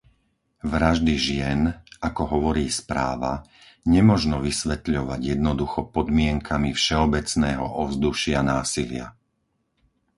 Vraždy žien, ako hovorí správa, nemožno vysvetľovať jednoducho podmienkami všeobecného ovzdušia násilia.